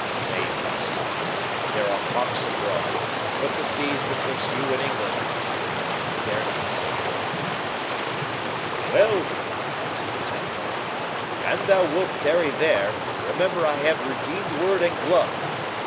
Save thyself—there are hawks abroad—put the seas betwixt you and England—I dare not say more." "Well," answered the Templar, "an thou wilt tarry there, remember I have redeemed word and glove.